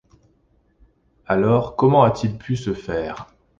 Alors, comment a-t-il pu se faire…